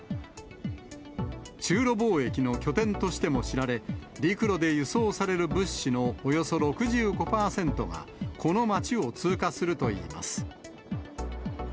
中ロ貿易の拠点としても知られ、陸路で輸送される物資のおよそ６５％が、この町を通過するといいます。